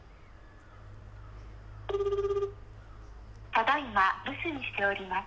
ただ今、留守にしております。